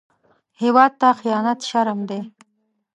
هېواد ته خيانت شرم دی